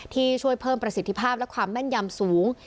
ที่ช่วยเพิ่มประสิทธิภาพและความแม่นยำสูง